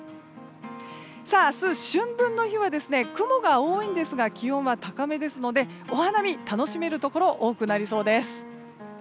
明日、春分の日は雲が多いんですが気温は高めですのでお花見を楽しめるところ多くなりそうです。